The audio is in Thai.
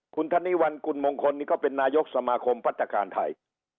คุณธนิวัลกุลมงคลนี่ก็เป็นนายกสมาคมพัฒนาการไทย